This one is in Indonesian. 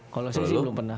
kalo sesi belum pernah